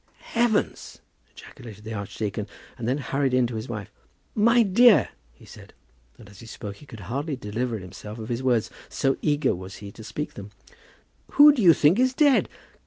"Heavens!" ejaculated the archdeacon, and then hurried in to his wife. "My dear," he said and as he spoke he could hardly deliver himself of his words, so eager was he to speak them "who do you think is dead?